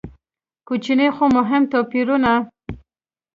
کوچني خو مهم توپیرونه.